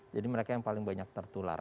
jadi mereka yang paling banyak tertular